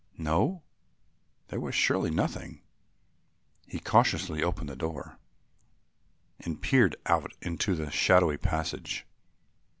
No, there was surely nothing. He cautiously opened the door and peered out into the shadowy passage.